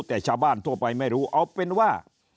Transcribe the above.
แต่ชาวบ้านทั่วไปไม่รู้เอาเป็นว่า